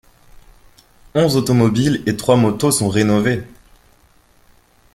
Onze automobiles et trois motos sont rénovées.